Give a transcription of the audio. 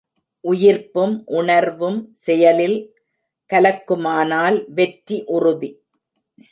உயிர்ப்பும் உணர்வும் செயலில் கலக்குமானால் வெற்றி உறுதி.